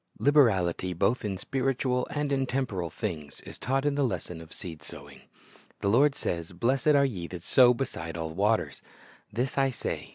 Liberality both in spiritual and in temporal things is taught in the lesson of seed sowing. The Lord sa}\s, "Blessed are ye that sow beside all waters." "This 1 say.